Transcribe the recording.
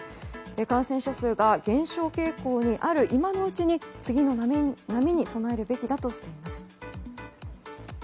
感染者数が減少傾向にある今のうちに次の波に備えるべきだとしています。